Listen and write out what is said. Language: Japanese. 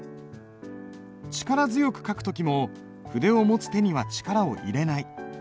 力強く書く時も筆を持つ手には力を入れない。